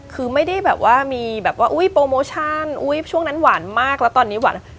คือไม่ได้แบบว่ามีแบบว่าอุ้ยโปรโมชั่นอุ๊ยช่วงนั้นหวานมากแล้วตอนนี้หวาน